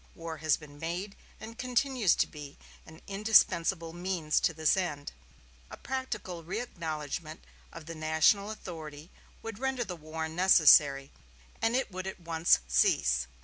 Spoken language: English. War has been made, and continues to be, an indispensable means to this end. A practical reacknowledgment of the national authority would render the war unnecessary, and it would at once cease.